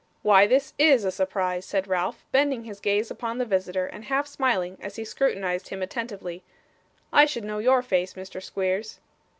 'Why, this IS a surprise!' said Ralph, bending his gaze upon the visitor, and half smiling as he scrutinised him attentively; 'I should know your face, Mr. Squeers.